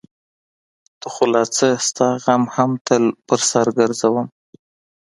ته خو لا څه؛ ستا غم هم تل په سر ګرځوم.